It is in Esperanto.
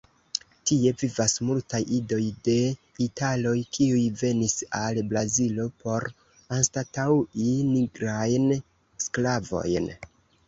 Tie vivas multaj idoj de italoj, kiuj venis al Brazilo por anstataŭi nigrajn sklavojn.